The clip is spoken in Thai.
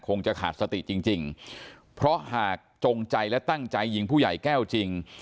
คงจะขาดสติจริงจริงเพราะหากจงใจและตั้งใจยิงผู้ใหญ่แก้วจริง